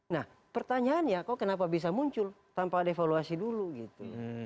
nah pertanyaannya kok kenapa bisa muncul tanpa ada evaluasi dulu gitu